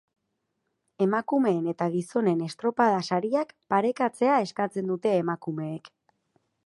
Emakumeen eta gizonen estropada-sariak parekatzea eskatzen dute emakumeek.